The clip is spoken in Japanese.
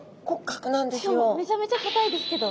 しかもめちゃめちゃかたいですけど。